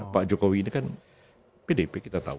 pak jokowi ini kan pdp kita tahu